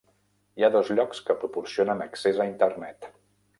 Hi ha dos llocs que proporcionen accés a internet.